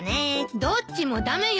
どっちも駄目よ！